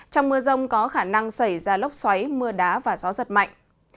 trong mưa rông có khả năng xảy ra lốc xoáy mưa đá và gió giật mạnh